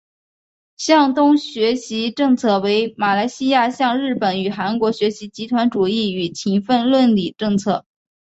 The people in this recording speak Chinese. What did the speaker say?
向东学习政策为马来西亚向日本与韩国学习集团主义与勤奋论理政策。